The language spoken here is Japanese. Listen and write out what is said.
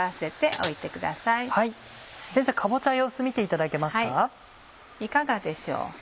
はいいかがでしょう。